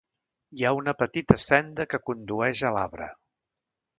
Hi ha una petita senda que condueix a l'arbre.